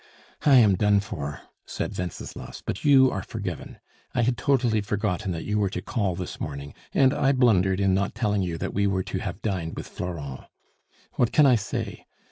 "I am done for," said Wenceslas, "but you are forgiven. I had totally forgotten that you were to call this morning, and I blundered in not telling you that we were to have dined with Florent. What can I say?